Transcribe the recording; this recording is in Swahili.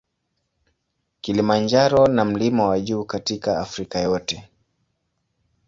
Kilimanjaro na mlima wa juu katika Afrika yote.